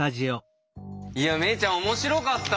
萌衣ちゃん面白かった！